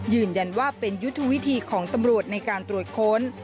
ยืนยันว่าเป็นยุทธวิธีของตำรวจในการตรวจค้น